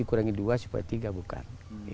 kurangi dua supaya tiga bukan